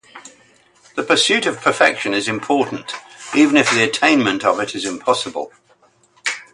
The pursuit of perfection is important, even if the attainment of it impossible.